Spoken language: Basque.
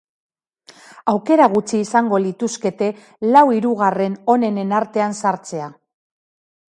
Aukera gutxi izango lituzkete lau hirugarren onenen artean sartzea.